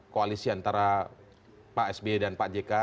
koalisi antara pak sby dan pak jk